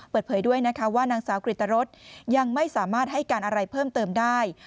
เปิดเผยด้วยนะคะว่านางสาวกริตรสยังไม่สามารถให้การอะไรเพิ่มเติมได้